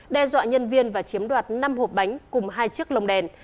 đe dọa nhân viên và chiếm đoạt năm hộp bánh cùng hai chiếc lồng đèn